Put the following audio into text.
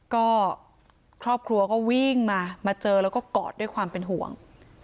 ก็ครอบครัวก็วิ่งมามาเจอแล้วก็กอดด้วยความเป็นห่วง